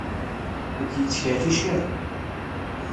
Ur k-yettkerric ara.